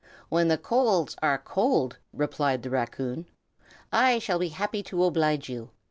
"When the coals are cold," replied the raccoon, "I shall be happy to oblige you.